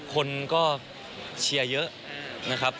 คนก็เชียร์เยอะนะครับ